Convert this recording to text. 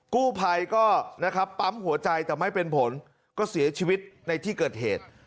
กู้ภัยก็นะครับปั๊มหัวใจแต่ไม่เป็นผลก็เสียชีวิตในที่เกิดเหตุ